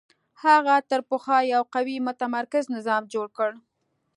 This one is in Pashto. هغه تر پخوا یو قوي متمرکز نظام جوړ کړ